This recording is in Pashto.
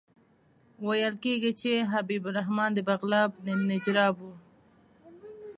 ویل کېږي چې حبیب الرحمن د بغلان د نجراب وو.